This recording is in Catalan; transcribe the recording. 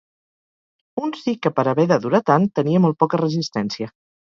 Un sí que per haver de durar tan, tenia molt poca resistència.